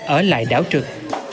ở lại đảo trực